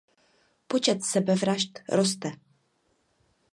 Počet sebevražd roste.